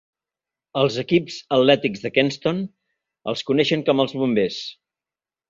Els equips atlètics de Kenston els coneixen com els Bombers.